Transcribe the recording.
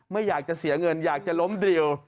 ไม่อยากจะเสียเงินอยากจะล้มดริว